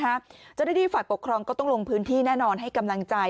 เจ้าหน้าที่ฝ่ายปกครองก็ต้องลงพื้นที่แน่นอนให้กำลังใจ